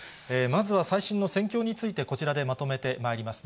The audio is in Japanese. まずは最新の戦況について、こちらでまとめてまいります。